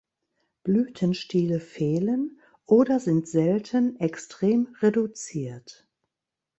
Blütenstiele fehlen oder sind selten extrem reduziert.